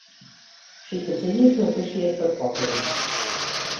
She continued to officiate football games.